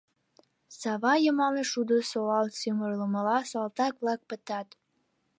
Сава йымалне шудо солалт сӱмырлымыла, салтак-влак пытат.